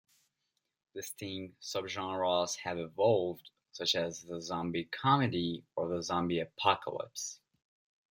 Distinct subgenres have evolved, such as the "zombie comedy" or the "zombie apocalypse".